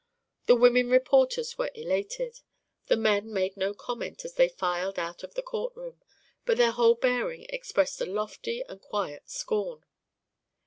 The women reporters were elated. The men made no comment as they filed out of the courtroom, but their whole bearing expressed a lofty and quiet scorn.